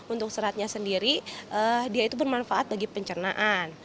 untuk seratnya sendiri dia itu bermanfaat bagi pencernaan